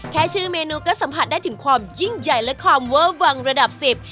แค่ชื่อเมนูก็สัมผัสได้ถึงความยิ่งใหญ่และความเวอร์วังระดับสิบ